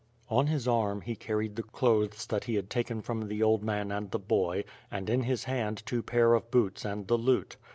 On his arm he carried the clothes that he had taken from the old man and the boy, and in his hand two pair of boots and the lute.